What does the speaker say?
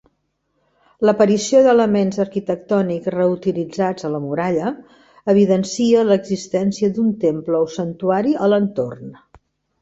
L'aparició d'elements arquitectònics reutilitzats a la muralla, evidencia l'existència d'un temple o santuari a l'entorn.